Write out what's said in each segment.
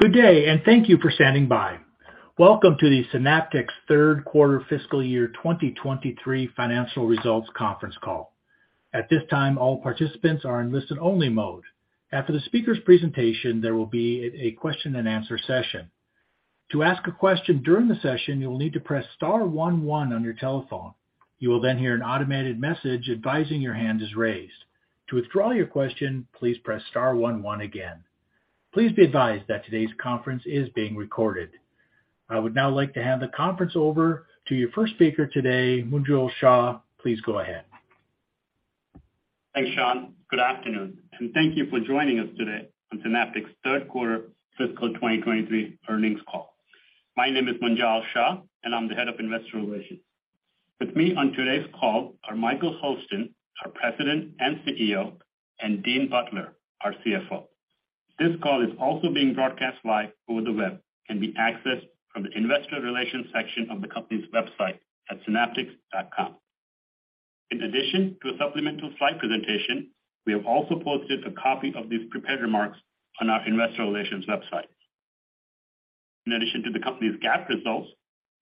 Good day, and thank you for standing by. Welcome to the Synaptics Third Quarter Fiscal Year 2023 Financial Results Conference Call. At this time, all participants are in listen-only mode. After the speaker's presentation, there will be a question and answer session. To ask a question during the session, you will need to press star one one on your telephone. You will then hear an automated message advising your hand is raised. To withdraw your question, please press star one one again. Please be advised that today's conference is being recorded. I would now like to hand the conference over to your first speaker today, Munjal Shah. Please go ahead. Thanks, Sean. Good afternoon, thank you for joining us today on Synaptics Third Quarter Fiscal 2023 Earnings Call. My name is Munjal Shah, and I'm the Head of investor relations. With me on today's call are Michael Hurlston, our President and CEO, and Dean Butler, our CFO. This call is also being broadcast live over the web, can be accessed from the investor relations section of the company's website at synaptics.com. In addition to a supplemental slide presentation, we have also posted a copy of these prepared remarks on our investor relations website. In addition to the company's GAAP results,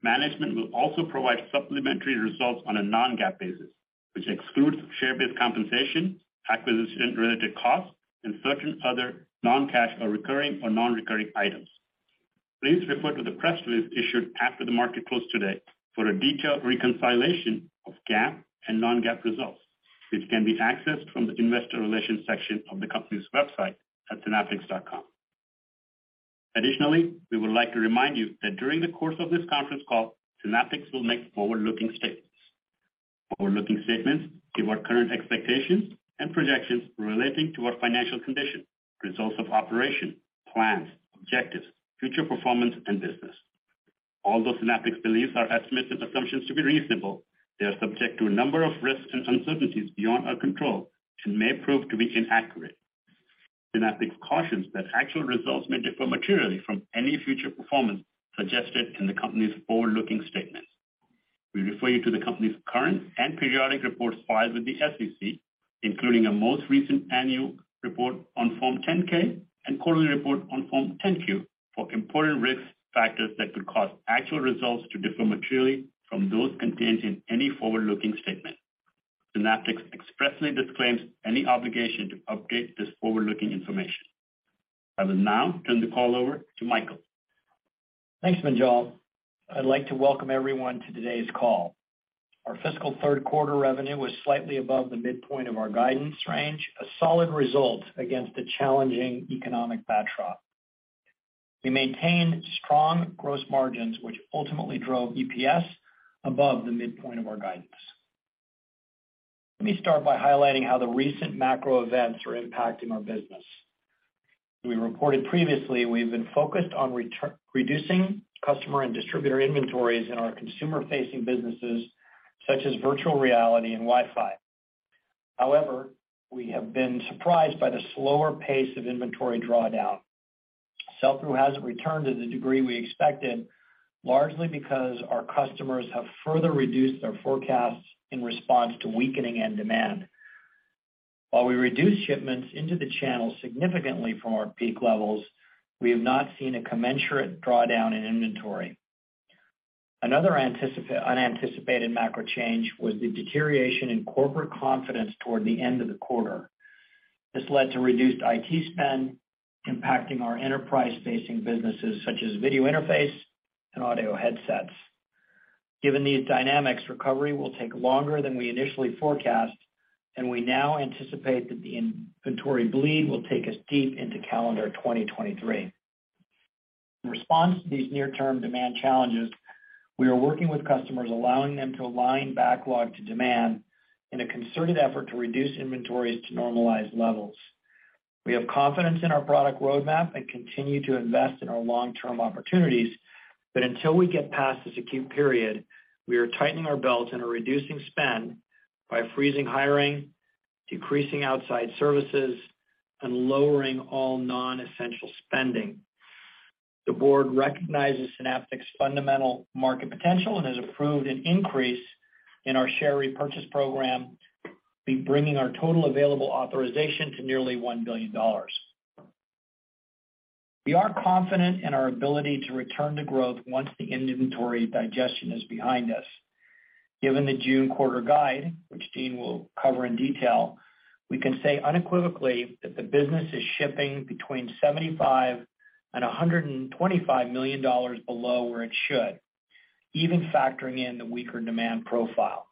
management will also provide supplementary results on a non-GAAP basis, which excludes share-based compensation, acquisition-related costs, and certain other non-cash or recurring or non-recurring items. Please refer to the press release issued after the market close today for a detailed reconciliation of GAAP and non-GAAP results, which can be accessed from the investor relations section of the company's website at synaptics.com. Additionally, we would like to remind you that during the course of this conference call, Synaptics will make forward-looking statements. Forward-looking statements give our current expectations and projections relating to our financial condition, results of operation, plans, objectives, future performance, and business. Although Synaptics believes our estimates and assumptions to be reasonable, they are subject to a number of risks and uncertainties beyond our control and may prove to be inaccurate. Synaptics cautions that actual results may differ materially from any future performance suggested in the company's forward-looking statements. We refer you to the company's current and periodic reports filed with the SEC, including a most recent annual report on Form 10-K and quarterly report on Form 10-Q for important risk factors that could cause actual results to differ materially from those contained in any forward-looking statement. Synaptics expressly disclaims any obligation to update this forward-looking information. I will now turn the call over to Michael. Thanks, Munjal. I'd like to welcome everyone to today's call. Our fiscal third quarter revenue was slightly above the midpoint of our guidance range, a solid result against a challenging economic backdrop. We maintained strong gross margins, which ultimately drove EPS above the midpoint of our guidance. Let me start by highlighting how the recent macro events are impacting our business. We reported previously we've been focused on reducing customer and distributor inventories in our consumer-facing businesses such as virtual reality and Wi-Fi. We have been surprised by the slower pace of inventory drawdown. Sell-through hasn't returned to the degree we expected, largely because our customers have further reduced their forecasts in response to weakening end demand. While we reduced shipments into the channel significantly from our peak levels, we have not seen a commensurate drawdown in inventory. Another unanticipated macro change was the deterioration in corporate confidence toward the end of the quarter. This led to reduced IT spend, impacting our enterprise-facing businesses such as video interface and audio headsets. Given these dynamics, recovery will take longer than we initially forecast, and we now anticipate that the inventory bleed will take us deep into calendar 2023. In response to these near-term demand challenges, we are working with customers, allowing them to align backlog to demand in a concerted effort to reduce inventories to normalized levels. We have confidence in our product roadmap and continue to invest in our long-term opportunities. Until we get past this acute period, we are tightening our belt and are reducing spend by freezing hiring, decreasing outside services, and lowering all non-essential spending. The board recognizes Synaptics' fundamental market potential and has approved an increase in our share repurchase program, bringing our total available authorization to nearly $1 billion. We are confident in our ability to return to growth once the inventory digestion is behind us. Given the June quarter guide, which Dean will cover in detail, we can say unequivocally that the business is shipping between $75 million and $125 million below where it should, even factoring in the weaker demand profile.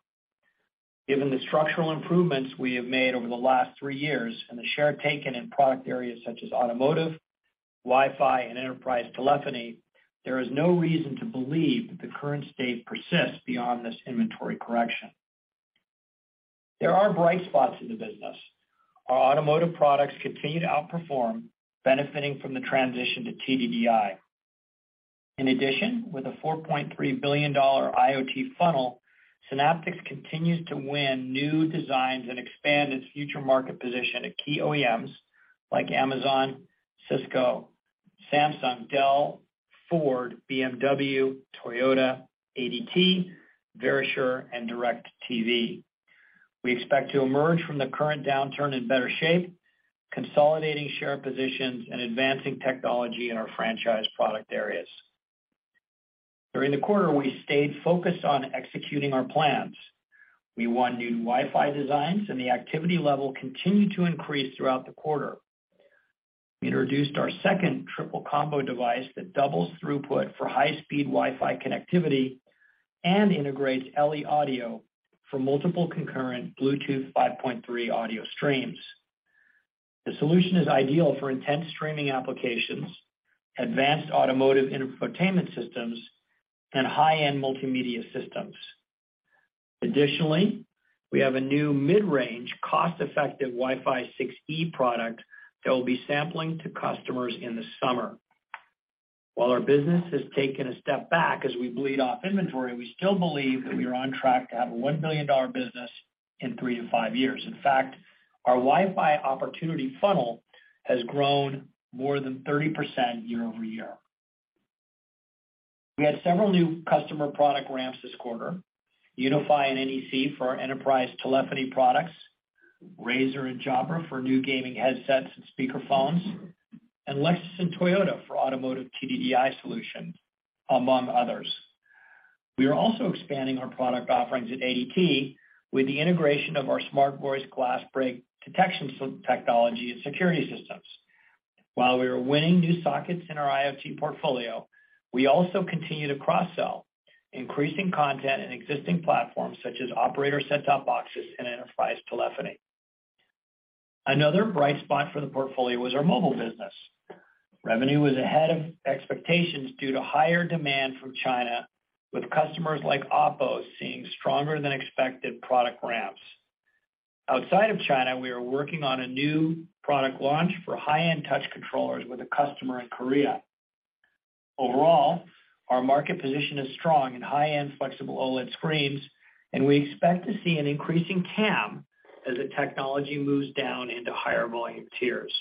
Given the structural improvements we have made over the last three years and the share taken in product areas such as automotive, Wi-Fi, and enterprise telephony, there is no reason to believe that the current state persists beyond this inventory correction. There are bright spots in the business. Our automotive products continue to outperform, benefiting from the transition to TDDI. In addition, with a $4.3 billion IoT funnel, Synaptics continues to win new designs and expand its future market position at key OEMs like Amazon, Cisco, Samsung, Dell, Ford, BMW, Toyota, ADT, Verisure, and DIRECTV. We expect to emerge from the current downturn in better shape, consolidating share positions and advancing technology in our franchise product areas. During the quarter, we stayed focused on executing our plans. We won new Wi-Fi designs, and the activity level continued to increase throughout the quarter. We introduced our second Triple Combo device that doubles throughput for high-speed Wi-Fi connectivity and integrates LE Audio for multiple concurrent Bluetooth 5.3 audio streams. The solution is ideal for intense streaming applications, advanced automotive infotainment systems, and high-end multimedia systems. Additionally, we have a new mid-range, cost-effective Wi-Fi 6E product that will be sampling to customers in the summer. While our business has taken a step back as we bleed off inventory, we still believe that we are on track to have a $1 billion business in three to five years. In fact, our Wi-Fi opportunity funnel has grown more than 30% year-over-year. We had several new customer product ramps this quarter, Unify and NEC for our enterprise telephony products, Razer and Jabra for new gaming headsets and speaker phones, and Lexus and Toyota for automotive TDDI solutions, among others. We are also expanding our product offerings at ADT with the integration of our smart voice glass break detection technology and security systems. While we are winning new sockets in our IoT portfolio, we also continue to cross-sell, increasing content in existing platforms, such as operator set-top boxes and enterprise telephony. Another bright spot for the portfolio was our mobile business. Revenue was ahead of expectations due to higher demand from China, with customers like OPPO seeing stronger than expected product ramps. Outside of China, we are working on a new product launch for high-end touch controllers with a customer in Korea. Overall, our market position is strong in high-end flexible OLED screens, and we expect to see an increasing TAM as the technology moves down into higher volume tiers.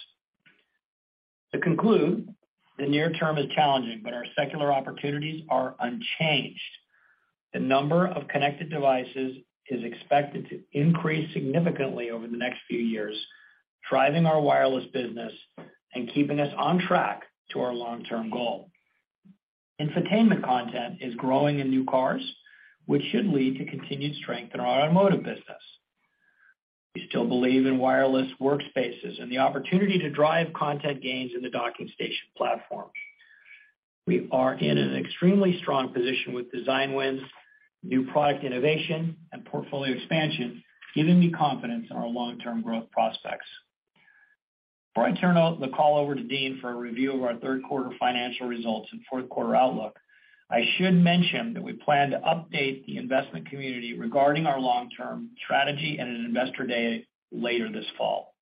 To conclude, the near term is challenging, but our secular opportunities are unchanged. The number of connected devices is expected to increase significantly over the next few years, driving our wireless business and keeping us on track to our long-term goal. Infotainment content is growing in new cars, which should lead to continued strength in our automotive business. We still believe in wireless workspaces and the opportunity to drive content gains in the docking station platforms. We are in an extremely strong position with design wins, new product innovation, and portfolio expansion, giving me confidence in our long-term growth prospects. Before I turn the call over to Dean for a review of our third quarter financial results and fourth quarter outlook, I should mention that we plan to update the investment community regarding our long-term strategy at an Investor Day later this fall.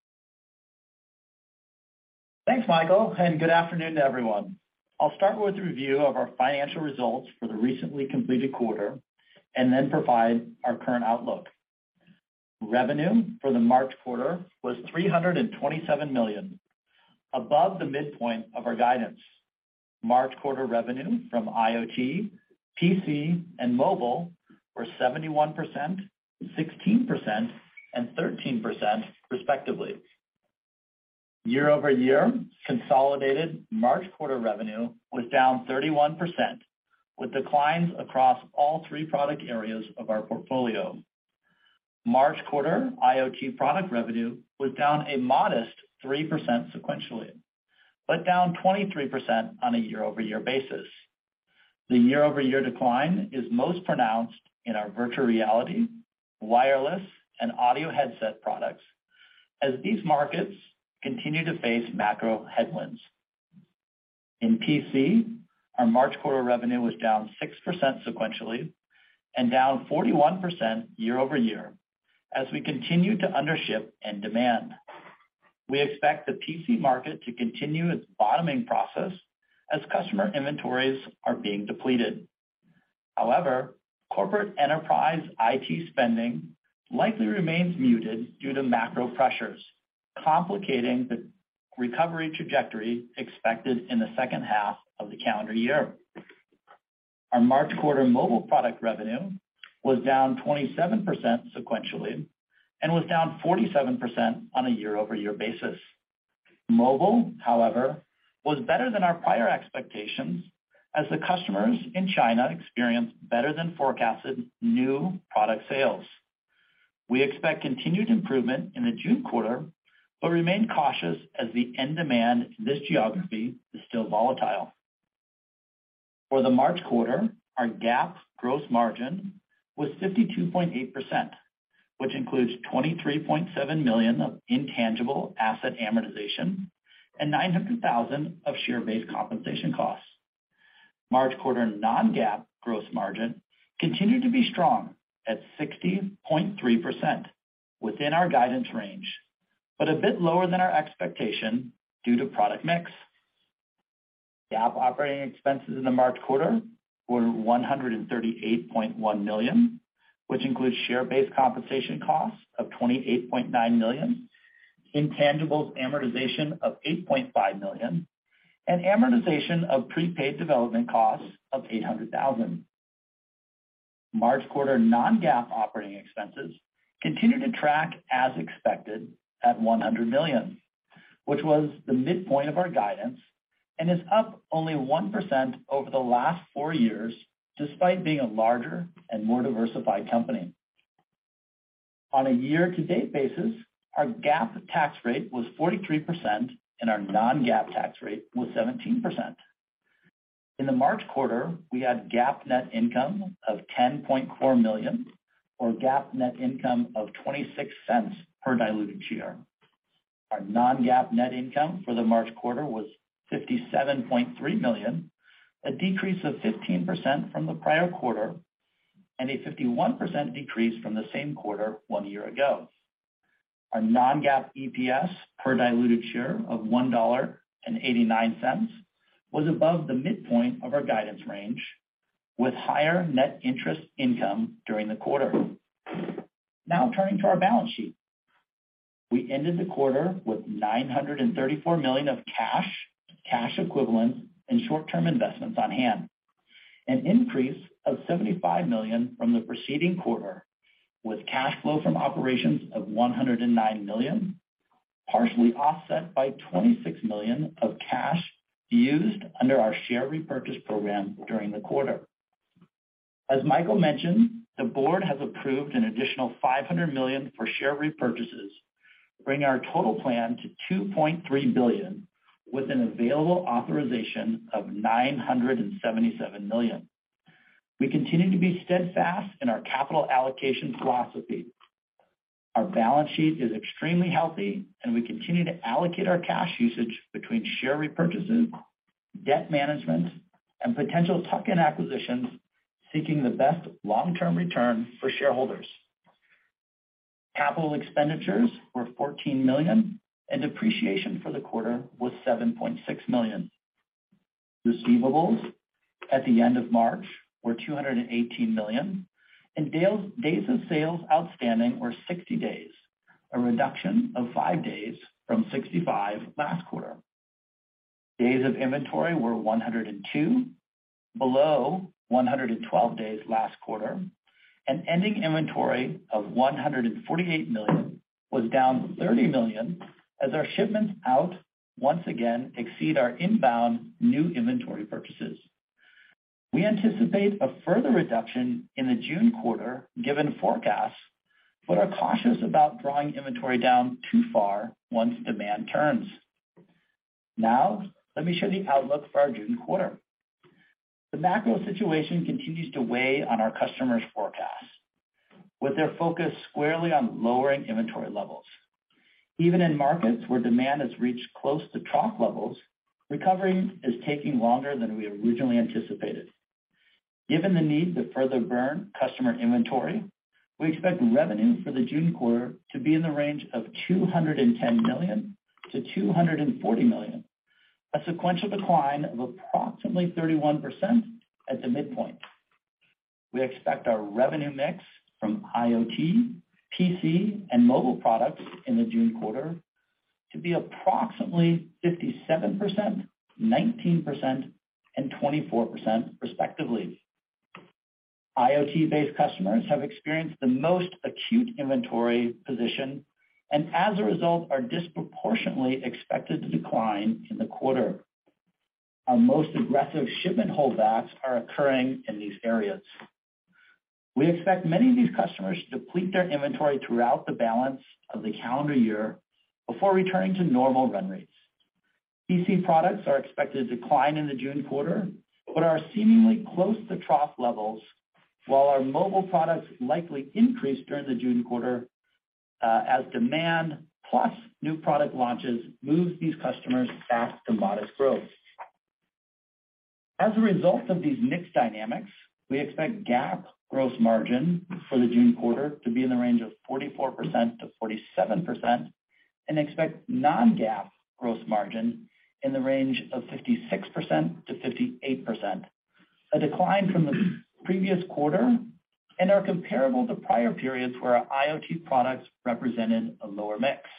Thanks, Michael. Good afternoon to everyone. I'll start with a review of our financial results for the recently completed quarter and then provide our current outlook. Revenue for the March quarter was $327 million, above the midpoint of our guidance. March quarter revenue from IoT, PC, and mobile were 71%, 16%, and 13% respectively. Year-over-year, consolidated March quarter revenue was down 31%, with declines across all three product areas of our portfolio. March quarter IoT product revenue was down a modest 3% sequentially, but down 23% on a year-over-year basis. The year-over-year decline is most pronounced in our virtual reality, wireless, and audio headset products as these markets continue to face macro headwinds. In PC, our March quarter revenue was down 6% sequentially and down 41% year-over-year, as we continue to under ship end demand. We expect the PC market to continue its bottoming process as customer inventories are being depleted. However, corporate enterprise IT spending likely remains muted due to macro pressures, complicating the recovery trajectory expected in the second half of the calendar year. Our March quarter mobile product revenue was down 27% sequentially and was down 47% on a year-over-year basis. Mobile, however, was better than our prior expectations as the customers in China experienced better than forecasted new product sales. We expect continued improvement in the June quarter, but remain cautious as the end demand in this geography is still volatile. For the March quarter, our GAAP gross margin was 52.8%, which includes $23.7 million of intangible asset amortization and $900,000 of share-based compensation costs. March quarter non-GAAP gross margin continued to be strong at 60.3% within our guidance range, but a bit lower than our expectation due to product mix. GAAP operating expenses in the March quarter were $138.1 million. Which includes share-based compensation costs of $28.9 million, intangibles amortization of $8.5 million, and amortization of prepaid development costs of $800,000. March quarter non-GAAP operating expenses continued to track as expected at $100 million, which was the midpoint of our guidance, and is up only 1% over the last four years, despite being a larger and more diversified company. On a year-to-date basis, our GAAP tax rate was 43% and our non-GAAP tax rate was 17%. In the March quarter, we had GAAP net income of $10.4 million or GAAP net income of $0.26 per diluted share. Our non-GAAP net income for the March quarter was $57.3 million, a decrease of 15% from the prior quarter and a 51% decrease from the same quarter one year ago. Our non-GAAP EPS per diluted share of $1.89 was above the midpoint of our guidance range with higher net interest income during the quarter. Turning to our balance sheet. We ended the quarter with $934 million of cash equivalents, and short-term investments on hand, an increase of $75 million from the preceding quarter, with cash flow from operations of $109 million, partially offset by $26 million of cash used under our share repurchase program during the quarter. As Michael mentioned, the board has approved an additional $500 million for share repurchases, bringing our total plan to $2.3 billion with an available authorization of $977 million. We continue to be steadfast in our capital allocation philosophy. Our balance sheet is extremely healthy, and we continue to allocate our cash usage between share repurchases, debt management, and potential tuck-in acquisitions, seeking the best long-term return for shareholders. Capital expenditures were $14 million, and depreciation for the quarter was $7.6 million. Receivables at the end of March were $218 million, and days of sales outstanding were 60 days, a reduction of five days from 65 last quarter. Days of inventory were 102, below 112 days last quarter, and ending inventory of $148 million was down $30 million as our shipments out once again exceed our inbound new inventory purchases. We anticipate a further reduction in the June quarter given forecasts, but are cautious about drawing inventory down too far once demand turns. Now let me show the outlook for our June quarter. The macro situation continues to weigh on our customers' forecasts, with their focus squarely on lowering inventory levels. Even in markets where demand has reached close to trough levels, recovery is taking longer than we originally anticipated. Given the need to further burn customer inventory, we expect revenue for the June quarter to be in the range of $210 million-$240 million, a sequential decline of approximately 31% at the midpoint. We expect our revenue mix from IoT, PC, and mobile products in the June quarter to be approximately 57%, 19%, and 24% respectively. IoT-based customers have experienced the most acute inventory position and as a result are disproportionately expected to decline in the quarter. Our most aggressive shipment holdbacks are occurring in these areas. We expect many of these customers to deplete their inventory throughout the balance of the calendar year before returning to normal run rates. PC products are expected to decline in the June quarter, but are seemingly close to trough levels, while our mobile products likely increase during the June quarter, as demand plus new product launches moves these customers back to modest growth. As a result of these mixed dynamics, we expect GAAP gross margin for the June quarter to be in the range of 44%-47% and expect non-GAAP gross margin in the range of 56%-58%, a decline from the previous quarter and are comparable to prior periods where our IoT products represented a lower mix.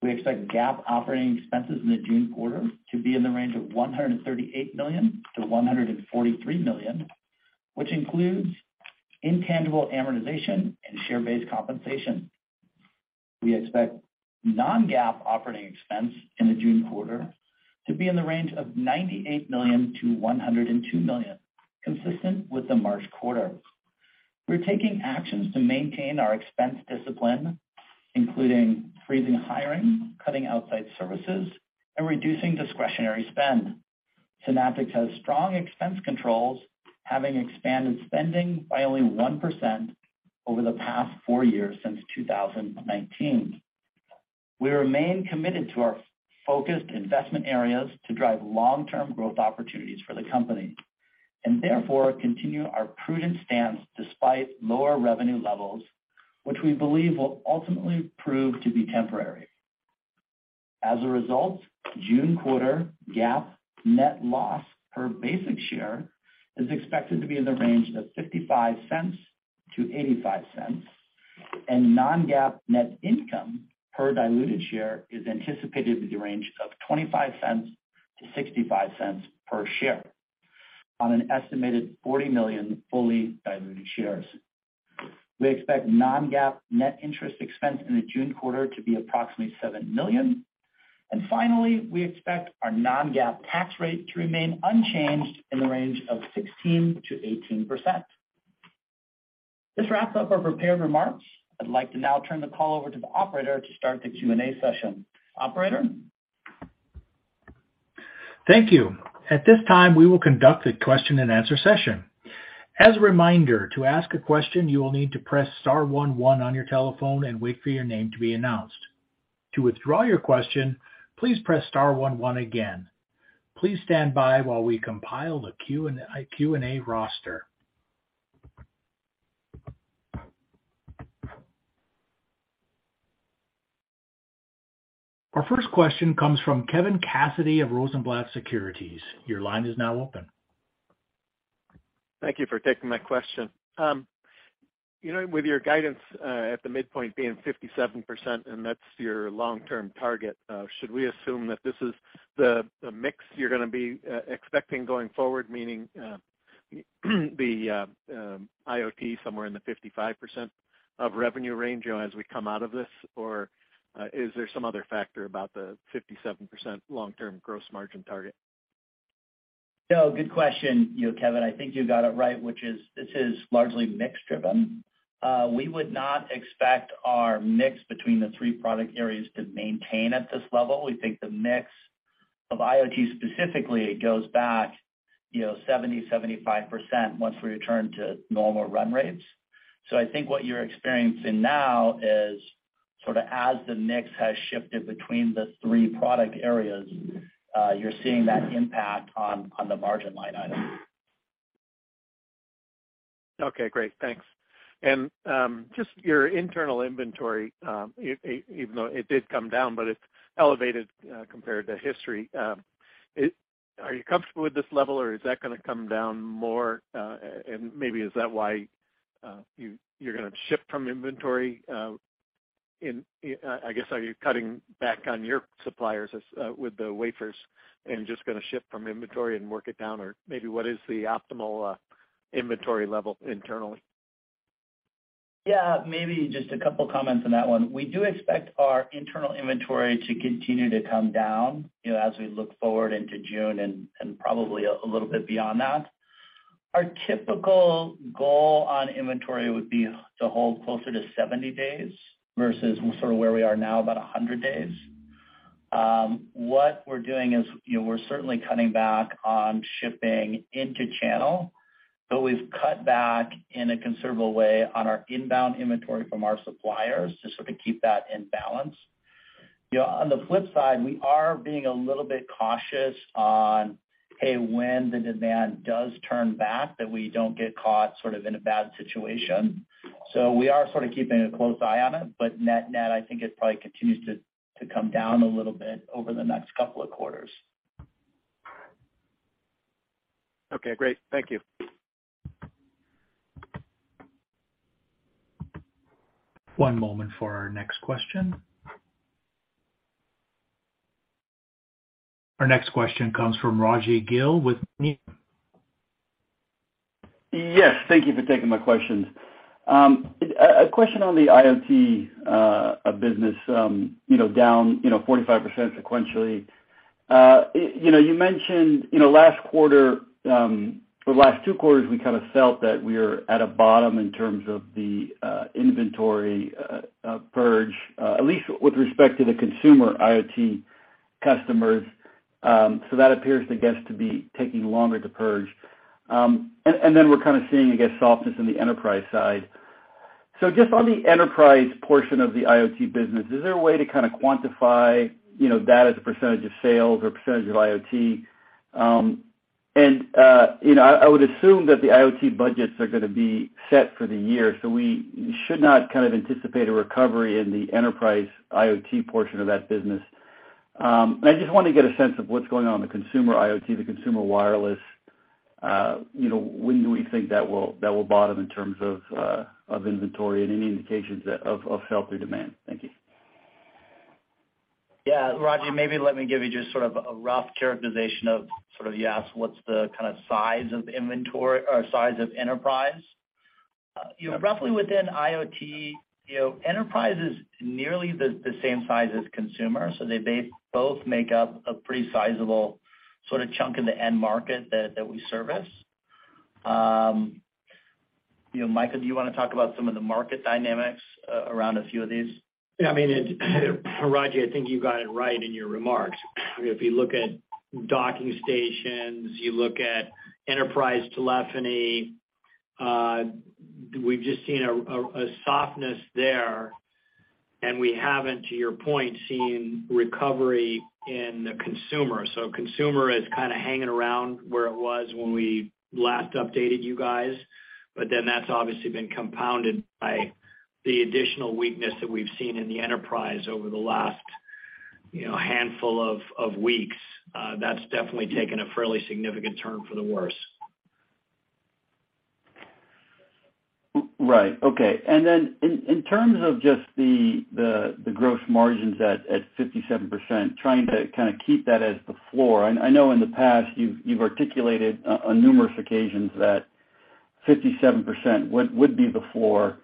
We expect GAAP operating expenses in the June quarter to be in the range of $138 million-$143 million, which includes intangible amortization and share-based compensation. We expect non-GAAP operating expense in the June quarter to be in the range of $98 million-$102 million, consistent with the March quarter. We're taking actions to maintain our expense discipline, including freezing hiring, cutting outside services, and reducing discretionary spend. Synaptics has strong expense controls, having expanded spending by only 1% over the past four years since 2019. We remain committed to our focused investment areas to drive long-term growth opportunities for the company, therefore continue our prudent stance despite lower revenue levels, which we believe will ultimately prove to be temporary. As a result, June quarter GAAP net loss per basic share is expected to be in the range of $0.55-$0.85, non-GAAP net income per diluted share is anticipated in the range of $0.25-$0.65 per share on an estimated 40 million fully diluted shares. We expect non-GAAP net interest expense in the June quarter to be approximately $7 million. Finally, we expect our non-GAAP tax rate to remain unchanged in the range of 16%-18%. This wraps up our prepared remarks. I'd like to now turn the call over to the operator to start the Q&A session. Operator? Thank you. At this time, we will conduct the question-and-answer session. As a reminder, to ask a question, you will need to press star one one on your telephone and wait for your name to be announced. To withdraw your question, please press star one one again. Please stand by while we compile the Q&A roster. Our first question comes from Kevin Cassidy of Rosenblatt Securities. Your line is now open. Thank you for taking my question. You know, with your guidance, at the midpoint being 57%, and that's your long-term target, should we assume that this is the mix you're gonna be expecting going forward, meaning, the IoT somewhere in the 55% of revenue range as we come out of this? Or, is there some other factor about the 57% long-term gross margin target? Good question, you know, Kevin. I think you got it right, which is this is largely mix-driven. We would not expect our mix between the three product areas to maintain at this level. We think the mix of IoT specifically goes back, you know, 70%-75% once we return to normal run rates. I think what you're experiencing now is sorta as the mix has shifted between the three product areas, you're seeing that impact on the margin line item. Okay, great. Thanks. Just your internal inventory, even though it did come down, but it's elevated, compared to history. Are you comfortable with this level, or is that gonna come down more? Maybe is that why, you're gonna ship from inventory? I guess, are you cutting back on your suppliers as, with the wafers and just gonna ship from inventory and work it down? Maybe what is the optimal, inventory level internally? Maybe just a couple comments on that one. We do expect our internal inventory to continue to come down, you know, as we look forward into June and probably a little bit beyond that. Our typical goal on inventory would be to hold closer to 70 days versus sort of where we are now, about 100 days. What we're doing is, you know, we're certainly cutting back on shipping into channel, we've cut back in a considerable way on our inbound inventory from our suppliers to sort of keep that in balance. You know, on the flip side, we are being a little bit cautious on, hey, when the demand does turn back, that we don't get caught sort of in a bad situation. We are sort of keeping a close eye on it. Net-net, I think it probably continues to come down a little bit over the next couple of quarters. Okay, great. Thank you. One moment for our next question. Our next question comes from Rajvindra Gill with Needham & Company. Yes. Thank you for taking my questions. A question on the IoT business, you know, down, you know, 45% sequentially. You know, you mentioned, you know, last quarter, or the last two quarters, we kinda felt that we're at a bottom in terms of the inventory purge, at least with respect to the consumer IoT customers. That appears, I guess, to be taking longer to purge. And then we're kinda seeing, I guess, softness in the enterprise side. Just on the enterprise portion of the IoT business, is there a way to kinda quantify, you know, that as a percentage of sales or percentage of IoT? You know, I would assume that the IoT budgets are gonna be set for the year, so we should not kind of anticipate a recovery in the enterprise IoT portion of that business. I just wanna get a sense of what's going on in the consumer IoT, the consumer wireless. You know, when do we think that will bottom in terms of inventory and any indications of healthy demand? Thank you. Yeah. Raji, maybe let me give you just sort of a rough characterization of sort of you asked what's the kinda size of inventory or size of enterprise. You know, roughly within IoT, you know, enterprise is nearly the same size as consumer, so both make up a pretty sizable sorta chunk in the end market that we service. You know, Michael, do you wanna talk about some of the market dynamics around a few of these? Yeah, I mean, it Raji, I think you got it right in your remarks. If you look at docking stations, you look at enterprise telephony, we've just seen a softness there, and we haven't, to your point, seen recovery in the consumer. Consumer is kinda hanging around where it was when we last updated you guys, but then that's obviously been compounded by the additional weakness that we've seen in the enterprise over the last You know, handful of weeks, that's definitely taken a fairly significant turn for the worse. Right. Okay. In terms of just the gross margins at 57%, trying to kind of keep that as the floor. I know in the past you've articulated on numerous occasions that 57% would be the floor.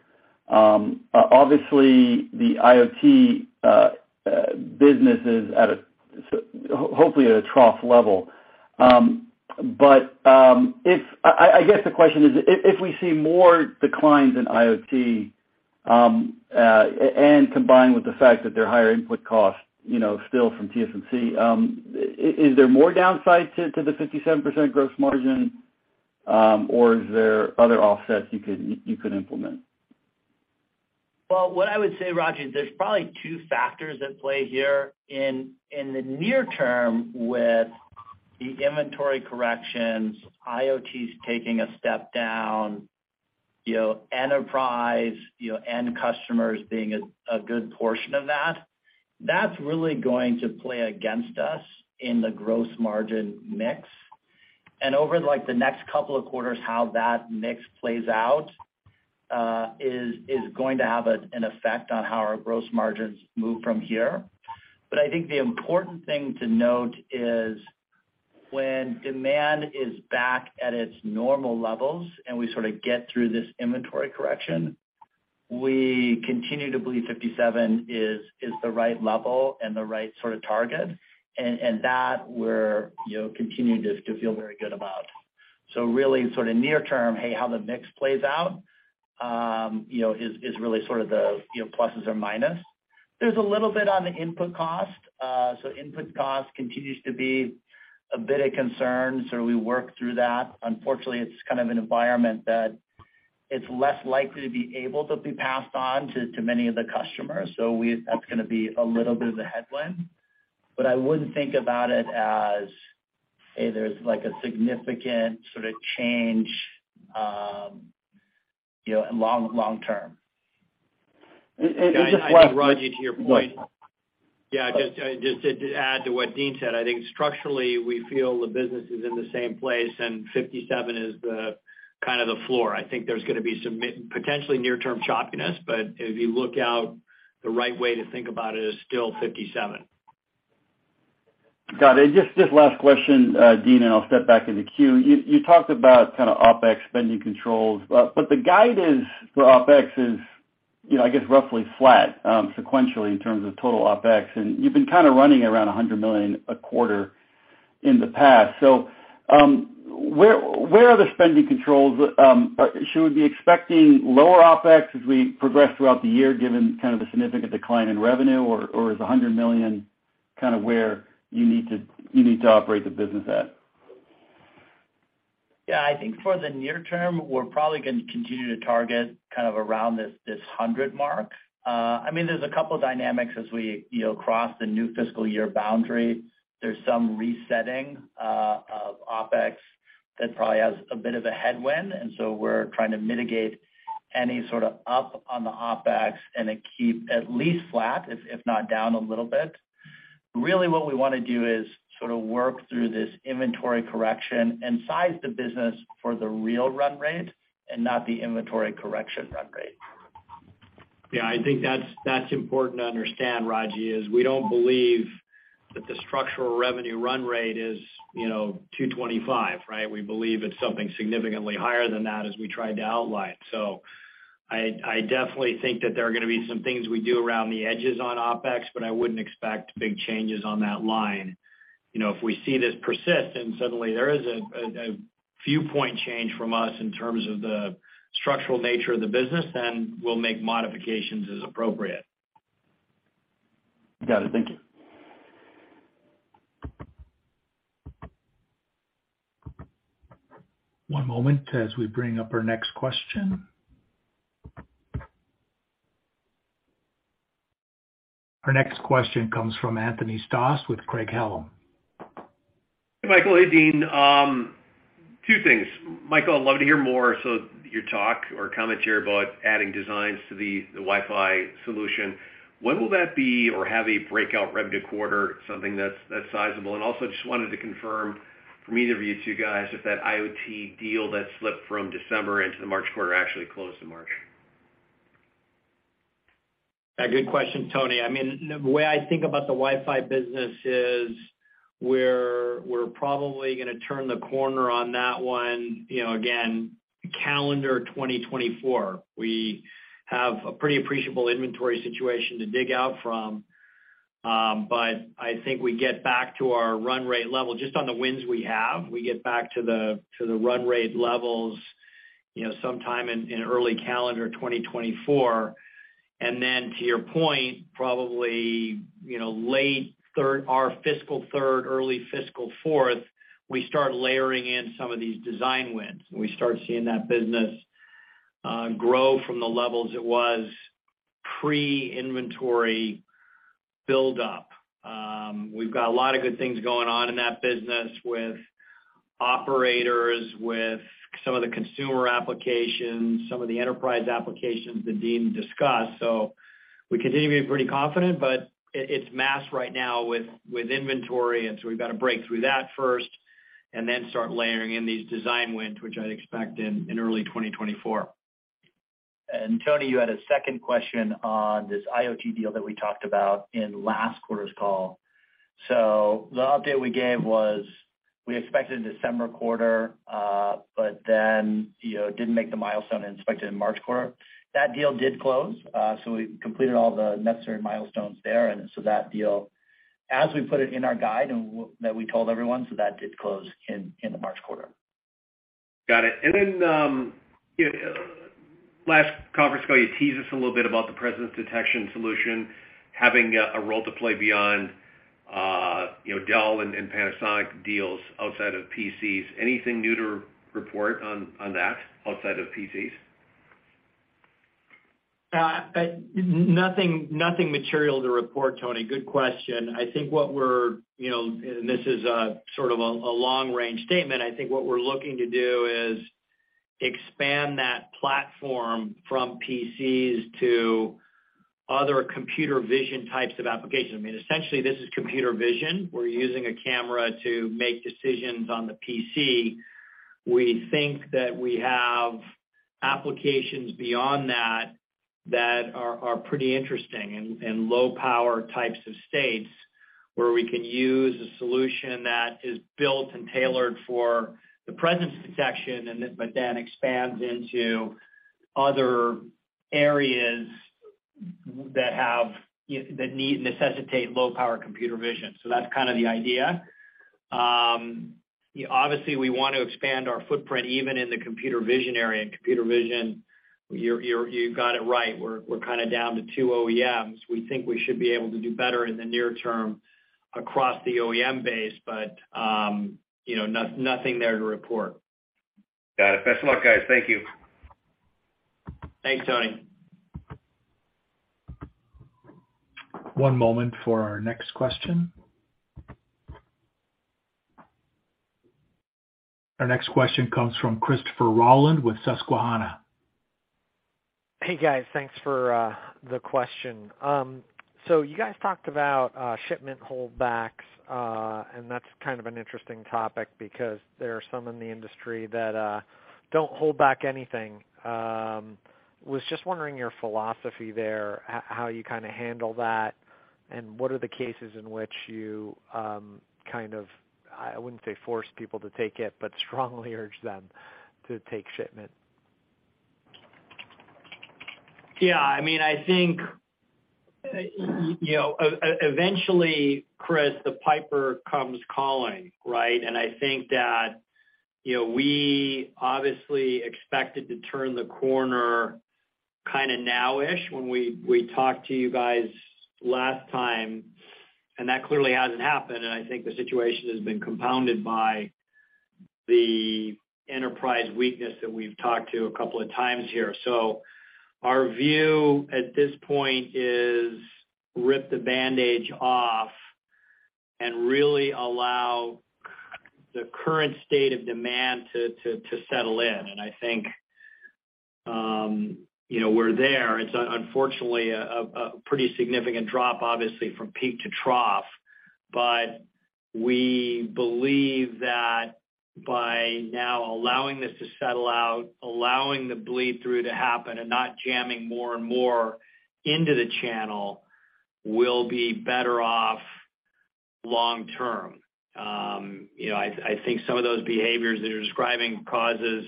Obviously the IoT business is at a hopefully at a trough level. I guess the question is if we see more declines in IoT, and combined with the fact that there are higher input costs, you know, still from TSMC, is there more downside to the 57% gross margin, or is there other offsets you could implement? Well, what I would say, Raji, there's probably two factors at play here. In the near term with the inventory corrections, IoT's taking a step down, you know, enterprise, you know, end customers being a good portion of that's really going to play against us in the gross margin mix. Over like the next couple of quarters how that mix plays out is going to have an effect on how our gross margins move from here. I think the important thing to note is when demand is back at its normal levels, and we sort of get through this inventory correction, we continue to believe 57% is the right level and the right sort of target, and that we're, you know, continuing to feel very good about. Really sort of near term, hey, how the mix plays out, you know, is really sort of the, you know, pluses or minus. There's a little bit on the input cost. Input cost continues to be a bit of concern, so we work through that. Unfortunately, it's kind of an environment that it's less likely to be able to be passed on to many of the customers. That's gonna be a little bit of a headwind. I wouldn't think about it as, hey, there's like a significant sort of change, you know, long term. And, and just last- Yeah. I think, Raji, to your point. Yeah, just to add to what Dean said, I think structurally, we feel the business is in the same place, and 57 is the kind of the floor. I think there's gonna be some potentially near-term choppiness, but if you look out the right way to think about it is still 57. Got it. Just last question, Dean, and I'll step back in the queue. You talked about kind of OpEx spending controls. But the guidance for OpEx is, you know, I guess roughly flat sequentially in terms of total OpEx, and you've been kind of running around $100 million a quarter in the past. Where are the spending controls? Should we be expecting lower OpEx as we progress throughout the year, given kind of the significant decline in revenue, or is $100 million kind of where you need to operate the business at? I think for the near term, we're probably gonna continue to target kind of around this 100 mark. I mean, there's a couple of dynamics as we, you know, cross the new fiscal year boundary. There's some resetting of OpEx that probably has a bit of a headwind, we're trying to mitigate any sort of up on the OpEx and then keep at least flat, if not down a little bit. Really what we wanna do is sort of work through this inventory correction and size the business for the real run rate and not the inventory correction run rate. Yeah. I think that's important to understand, Raji, is we don't believe that the structural revenue run rate is, you know, $225, right? We believe it's something significantly higher than that as we tried to outline. I definitely think that there are gonna be some things we do around the edges on OpEx, but I wouldn't expect big changes on that line. You know, if we see this persist and suddenly there is a, a few point change from us in terms of the structural nature of the business, then we'll make modifications as appropriate. Got it. Thank you. One moment as we bring up our next question. Our next question comes from Anthony Stoss with Craig-Hallum. Hey, Michael. Hey, Dean. Two things. Michael, I'd love to hear more, so your talk or comments here about adding designs to the Wi-Fi solution. When will that be or have a breakout revenue quarter, something that's sizable? Just wanted to confirm from either of you two guys if that IoT deal that slipped from December into the March quarter actually closed in March? A good question, Tony. I mean, the way I think about the Wi-Fi business is we're probably gonna turn the corner on that one, you know, again, calendar 2024. We have a pretty appreciable inventory situation to dig out from, I think we get back to our run rate level just on the wins we have. We get back to the run rate levels, you know, sometime in early calendar 2024. To your point, probably, you know, late third, our fiscal third, early fiscal fourth, we start layering in some of these design wins, and we start seeing that business grow from the levels it was pre-inventory build up. We've got a lot of good things going on in that business with. Operators with some of the consumer applications, some of the enterprise applications that Dean discussed. We continue to be pretty confident, but it's masked right now with inventory, we've got to break through that first and then start layering in these design wins, which I'd expect in early 2024. Tony, you had a second question on this IoT deal that we talked about in last quarter's call. The update we gave was we expected December quarter, but then, you know, didn't make the milestone inspected in March quarter. That deal did close, so we completed all the necessary milestones there. That deal, as we put it in our guide and that we told everyone, so that did close in the March quarter. Got it. Last conference call, you teased us a little bit about the presence detection solution having a role to play beyond, you know, Dell and Panasonic deals outside of PCs. Anything new to report on that outside of PCs? Nothing, nothing material to report, Tony. Good question. I think what we're, you know, this is a sort of a long range statement. I think what we're looking to do is expand that platform from PCs to other computer vision types of applications. I mean, essentially, this is computer vision. We're using a camera to make decisions on the PC. We think that we have applications beyond that that are pretty interesting and low power types of states where we can use a solution that is built and tailored for the presence detection and then expands into other areas that necessitate low power computer vision. That's kind of the idea. Obviously, we want to expand our footprint even in the computer vision area. Computer vision, you've got it right, we're kinda down to two OEMs. We think we should be able to do better in the near term across the OEM base, but, you know, nothing there to report. Got it. Best of luck, guys. Thank you. Thanks, Tony. One moment for our next question. Our next question comes from Christopher Rolland with Susquehanna. Hey, guys. Thanks for the question. You guys talked about shipment holdbacks, and that's kind of an interesting topic because there are some in the industry that don't hold back anything. Was just wondering your philosophy there, how you kinda handle that, and what are the cases in which you, I wouldn't say force people to take it, but strongly urge them to take shipment. Yeah, I mean, I think, you know, eventually, Chris, the piper comes calling, right? I think that, you know, we obviously expected to turn the corner kinda now-ish when we talked to you guys last time, and that clearly hasn't happened. I think the situation has been compounded by the enterprise weakness that we've talked to a couple of times here. Our view at this point is rip the bandage off and really allow the current state of demand to settle in. I think, you know, we're there. It's unfortunately a pretty significant drop, obviously from peak to trough. We believe that by now allowing this to settle out, allowing the bleed through to happen, and not jamming more and more into the channel will be better off long term. You know, I think some of those behaviors that you're describing causes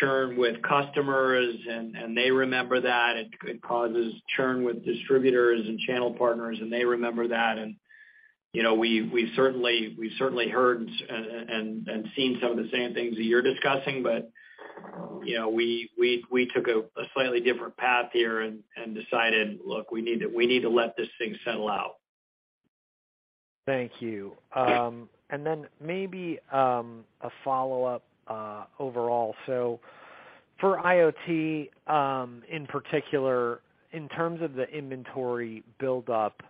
churn with customers and they remember that. It causes churn with distributors and channel partners, and they remember that. You know, we certainly heard and seen some of the same things that you're discussing, but, you know, we took a slightly different path here and decided, "Look, we need to let this thing settle out. Thank you. Then maybe a follow-up overall. For IoT, in particular, in terms of the inventory build up,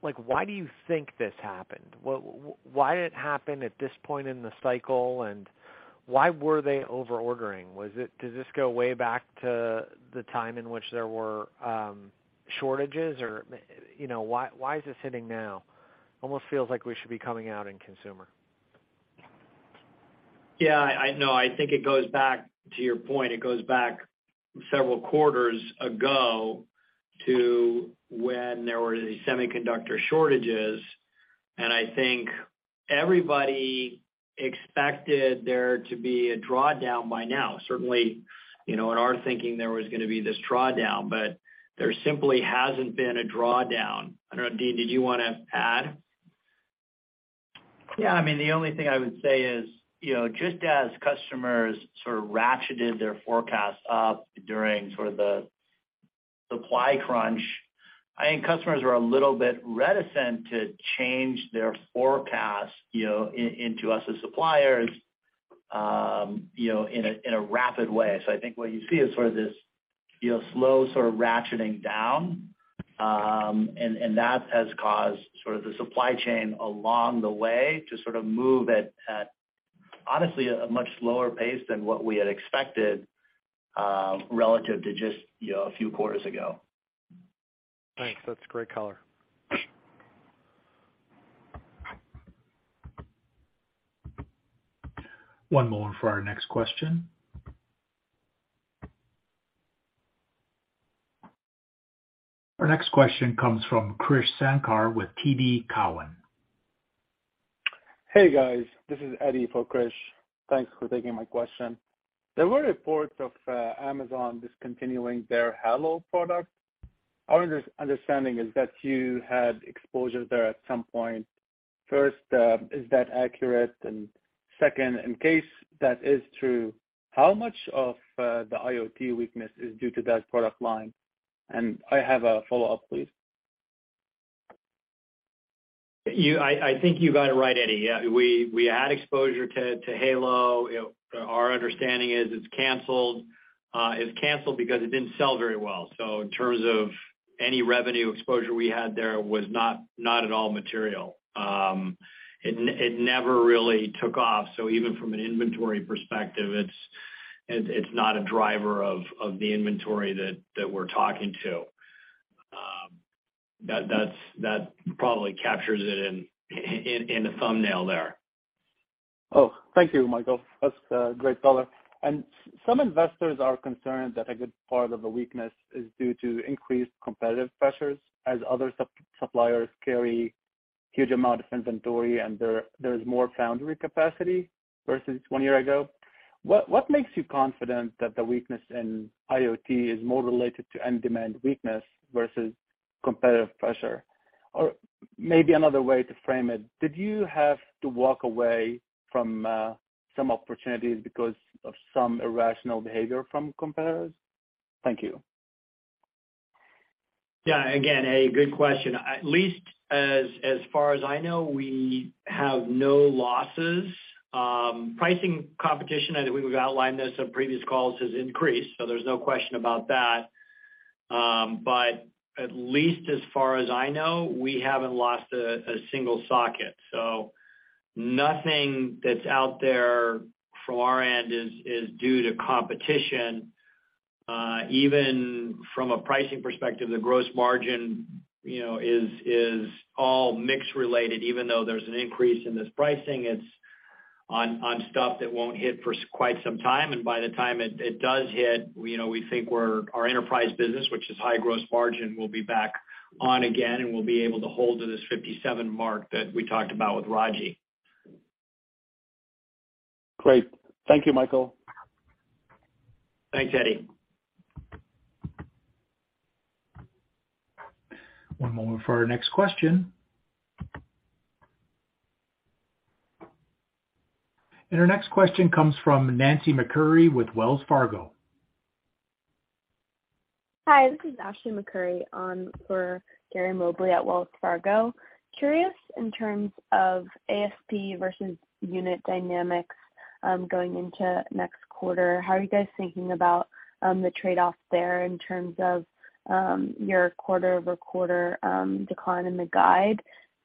like, why do you think this happened? Why did it happen at this point in the cycle, and why were they over ordering? Was it does this go way back to the time in which there were shortages or, you know, why is this hitting now? Almost feels like we should be coming out in consumer. Yeah, I know. I think it goes back, to your point, it goes back several quarters ago to when there were these semiconductor shortages. I think everybody expected there to be a drawdown by now. Certainly, you know, in our thinking, there was gonna be this drawdown, but there simply hasn't been a drawdown. I don't know, Dean, did you wanna add? I mean, the only thing I would say is, you know, just as customers sort of ratcheted their forecasts up during sort of the supply crunch, I think customers were a little bit reticent to change their forecast, you know, into us as suppliers, you know, in a rapid way. I think what you see is sort of this, you know, slow sort of ratcheting down, and that has caused sort of the supply chain along the way to sort of move at honestly a much slower pace than what we had expected, relative to just, you know, a few quarters ago. Thanks. That's great color. One moment for our next question. Our next question comes from Krish Sankar with TD Cowen. Hey, guys. This is Eddie for Krish. Thanks for taking my question. There were reports of Amazon discontinuing their Halo product. Our under-understanding is that you had exposure there at some point. First, is that accurate? Second, in case that is true, how much of the IoT weakness is due to that product line? I have a follow-up, please. I think you got it right, Eddie. Yeah. We had exposure to Halo. You know, our understanding is it's canceled. It's canceled because it didn't sell very well. In terms of any revenue exposure we had there was not at all material. It never really took off. Even from an inventory perspective, it's not a driver of the inventory that we're talking to. That probably captures it in a thumbnail there. Thank you, Michael. That's great color. Some investors are concerned that a good part of the weakness is due to increased competitive pressures as other suppliers carry huge amount of inventory, and there's more foundry capacity versus one year ago. What makes you confident that the weakness in IoT is more related to end demand weakness versus competitive pressure? Or maybe another way to frame it, did you have to walk away from some opportunities because of some irrational behavior from competitors? Thank you. Yeah, again, a good question. At least as far as I know, we have no losses. Pricing competition, and we've outlined this on previous calls, has increased, so there's no question about that. But at least as far as I know, we haven't lost a single socket. Nothing that's out there from our end is due to competition. Even from a pricing perspective, the gross margin, you know, is all mix related. Even though there's an increase in this pricing, it's on stuff that won't hit for quite some time. By the time it does hit, you know, we think our enterprise business, which is high gross margin, will be back on again, and we'll be able to hold to this 57 mark that we talked about with Raji. Great. Thank you, Michael. Thanks, Eddie. One moment for our next question. Our next question comes from Ashley McCurry with Wells Fargo. Hi. This is Ashley McCurry on for Gary Mobley at Wells Fargo. Curious in terms of ASP versus unit dynamics, going into next quarter, how are you guys thinking about the trade-off there in terms of your quarter-over-quarter decline in the guide?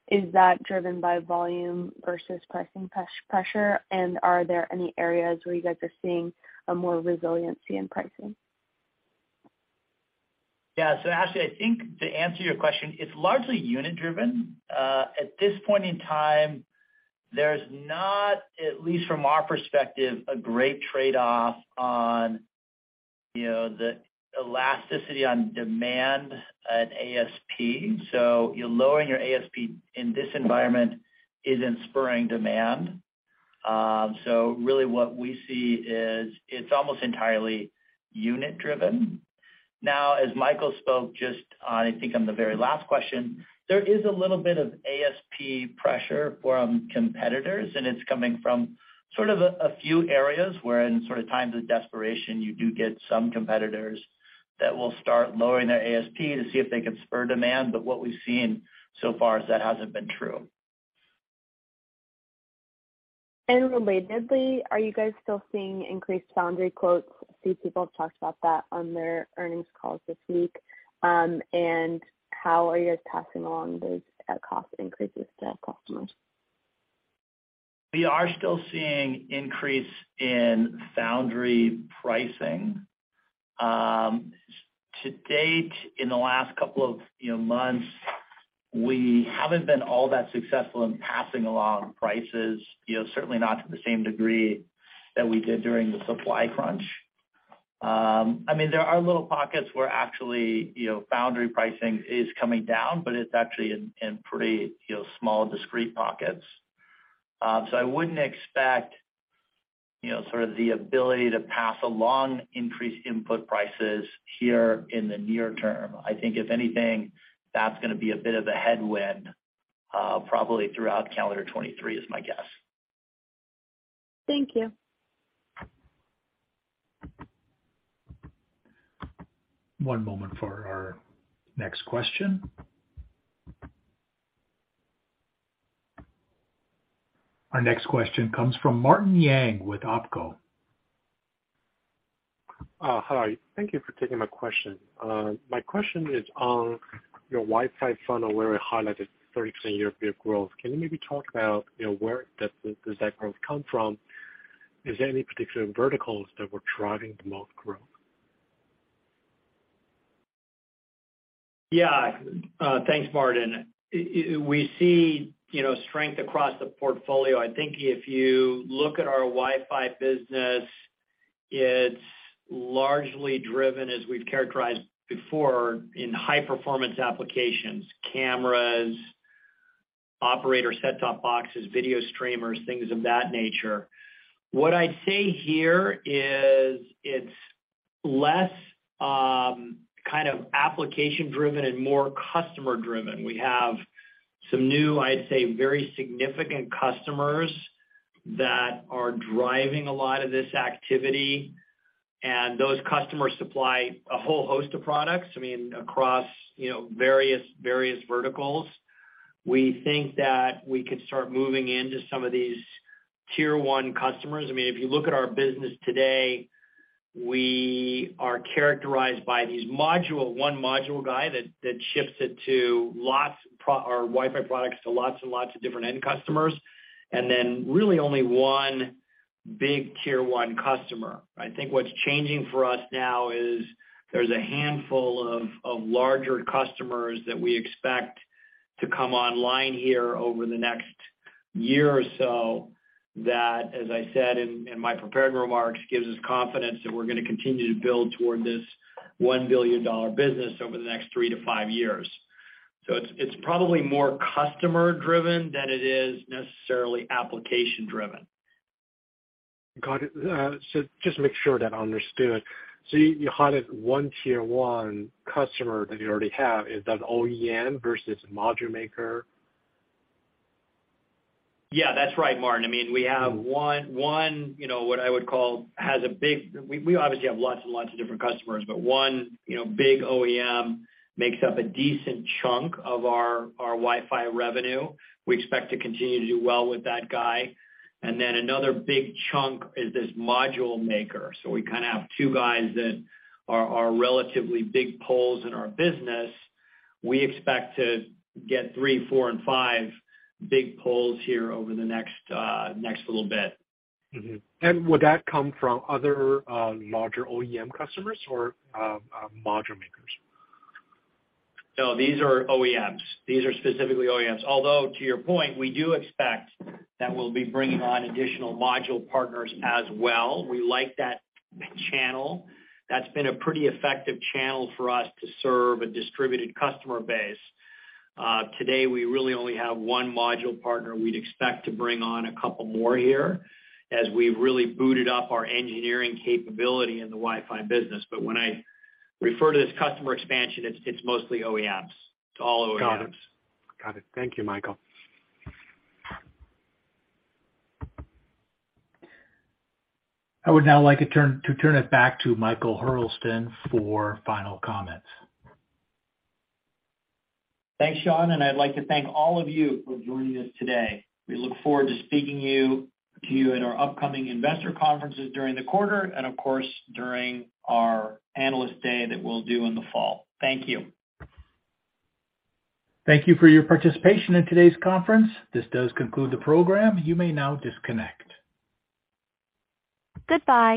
Is that driven by volume versus pricing press-pressure? Are there any areas where you guys are seeing a more resiliency in pricing? Ashley, I think to answer your question, it's largely unit driven. At this point in time, there's not, at least from our perspective, a great trade-off on, you know, the elasticity on demand at ASP. You're lowering your ASP in this environment isn't spurring demand. Really what we see is it's almost entirely unit driven. Now, as Michael spoke just on, I think, on the very last question, there is a little bit of ASP pressure from competitors, and it's coming from sort of a few areas where in sort of times of desperation, you do get some competitors that will start lowering their ASP to see if they can spur demand. What we've seen so far is that hasn't been true. Relatedly, are you guys still seeing increased foundry quotes? A few people have talked about that on their earnings calls this week. How are you guys passing along those cost increases to customers? We are still seeing increase in foundry pricing. To date, in the last couple of, you know, months, we haven't been all that successful in passing along prices, you know, certainly not to the same degree that we did during the supply crunch. I mean, there are little pockets where actually, you know, foundry pricing is coming down, but it's actually in pretty, you know, small, discrete pockets. I wouldn't expect, you know, sort of the ability to pass along increased input prices here in the near term. I think, if anything, that's gonna be a bit of a headwind, probably throughout calendar 2023 is my guess. Thank you. One moment for our next question. Our next question comes from Martin Yang with Oppenheimer. Hi. Thank you for taking my question. My question is on your Wi-Fi funnel, where it highlighted 30% year-over-year growth. Can you maybe talk about, you know, where does that growth come from? Is there any particular verticals that were driving the most growth? Yeah. Thanks, Martin. We see, you know, strength across the portfolio. I think if you look at our Wi-Fi business, it's largely driven, as we've characterized before, in high performance applications, cameras, operator set-top boxes, video streamers, things of that nature. What I'd say here is it's less, kind of application driven and more customer driven. We have some new, I'd say, very significant customers that are driving a lot of this activity, and those customers supply a whole host of products, I mean, across, you know, various verticals. We think that we could start moving into some of these tier one customers. I mean, if you look at our business today, we are characterized by these module, one module guy that ships it to lots or Wi-Fi products to lots and lots of different end customers, and then really only one big tier one customer. I think what's changing for us now is there's a handful of larger customers that we expect to come online here over the next year or so that, as I said in my prepared remarks, gives us confidence that we're gonna continue to build toward this $1 billion business over the next three to five years. It's probably more customer driven than it is necessarily application driven. Got it. Just to make sure that I understood. You had one tier one customer that you already have. Is that OEM versus module maker? Yeah, that's right, Martin. I mean, we have one, you know, what I would call. We obviously have lots and lots of different customers, but one, you know, big OEM makes up a decent chunk of our Wi-Fi revenue. We expect to continue to do well with that guy. Another big chunk is this module maker. We kinda have two guys that are relatively big poles in our business. We expect to get three, four, and five big poles here over the next little bit. Would that come from other, larger OEM customers or module makers? No, these are OEMs. These are specifically OEMs. Although, to your point, we do expect that we'll be bringing on additional module partners as well. We like that channel. That's been a pretty effective channel for us to serve a distributed customer base. Today, we really only have one module partner. We'd expect to bring on a couple more here as we've really booted up our engineering capability in the Wi-Fi business. When I refer to this customer expansion, it's mostly OEMs. It's all OEMs. Got it. Thank you, Michael. I would now like to turn it back to Michael Hurlston for final comments. Thanks, Sean, and I'd like to thank all of you for joining us today. We look forward to speaking to you at our upcoming investor conferences during the quarter and, of course, during our analyst day that we'll do in the fall. Thank you. Thank you for your participation in today's conference. This does conclude the program. You may now disconnect.